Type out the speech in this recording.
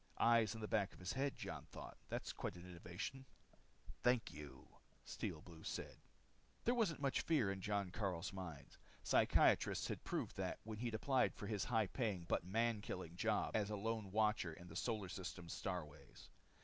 Eyes in the back of his head, Jon thought. That's quite an innovation. "Thank you," Steel Blue said. There wasn't much fear in Jon Karyl's mind. Psychiatrists had proved that when he had applied for this high paying but man killing job as a Lone Watcher on the Solar System's starways.